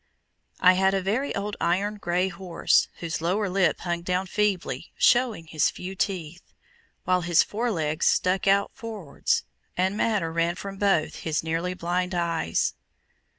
I had a very old iron grey horse, whose lower lip hung down feebly, showing his few teeth, while his fore legs stuck out forwards, and matter ran from both his nearly blind eyes.